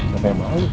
gak pengen malu